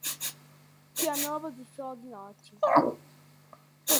Твоя дівчина плаче.